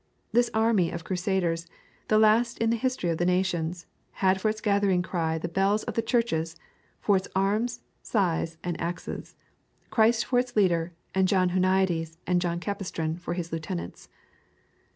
This army of Crusaders the last in the history of the nations had for its gathering cry the bells of the churches, for its arms, scythes and axes, Christ for its leader, and John Huniades and John Capistran for his lieutenants.